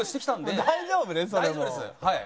大丈夫ですはい。